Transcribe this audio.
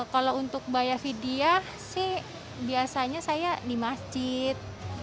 kalau untuk bayar vidyah sih biasanya saya di masjid